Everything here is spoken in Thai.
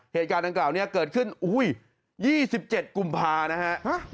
เหตุการณ์ดังกล่าวนี้เกิดขึ้น๒๗กุมภานะฮะ